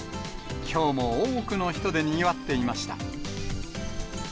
きょうも多くの人でにぎわっていました。